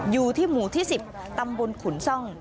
อยู่ที่หมู่ที่๑๐ตำบลขุนซ่อง